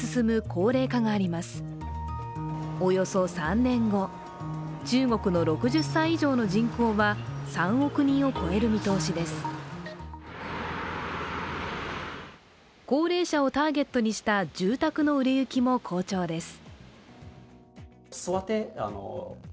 高齢者をターゲットにした住宅の売れ行きも好調です。